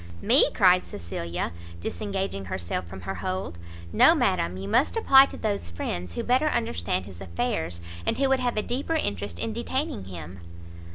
"Me?" cried Cecilia, disengaging herself from her hold, "No, madam, you must apply to those friends who better understand his affairs, and who would have a deeper interest in detaining him."